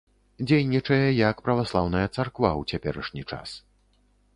Дзейнічае як праваслаўная царква ў цяперашні час.